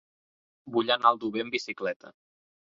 Vull anar a Aldover amb bicicleta.